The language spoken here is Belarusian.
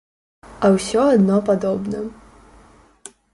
А ўсё адно падобна.